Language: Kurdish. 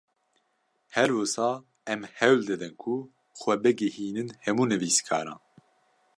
Her wisa em hewl didin ku xwe bigihînin hemû nivîskaran